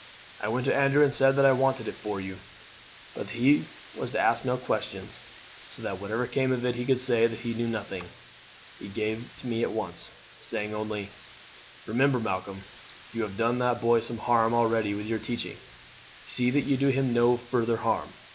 I went to Andrew and said that I wanted it for you, but that he was to ask no questions, so that whatever came of it he could say that he knew nothing. He gave it me at once, saying only: "'Remember, Malcolm, you have done the boy some harm already with your teaching, see that you do him no further harm.